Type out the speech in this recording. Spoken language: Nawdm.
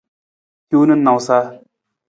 Hiwung na nawusa.